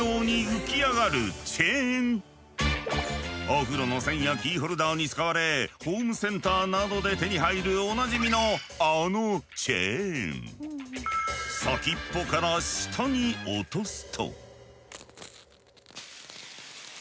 お風呂の栓やキーホルダーに使われホームセンターなどで手に入る先っぽから下に落とすと。